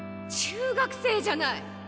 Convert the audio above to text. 中学生じゃない！